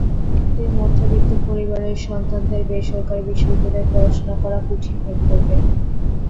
এতে মধ্যবিত্ত পরিবারের সন্তানদের বেসরকারি বিশ্ববিদ্যালয়ে পড়াশোনা করা কঠিন হয়ে পড়বে।